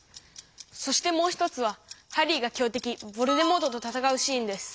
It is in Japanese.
そしてもう一つはハリーが強てきヴォルデモートとたたかうシーンです。